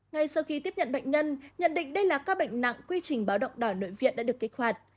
ngay sau khi tiếp nhận bệnh nhân nhận định đây là các bệnh nặng quy trình báo động đỏ nội viện đã được kích hoạt